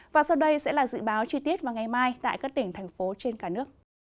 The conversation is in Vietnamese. và sau đây sẽ là dự báo chi tiết vào ngày mai tại các tỉnh thành phố trên cả nước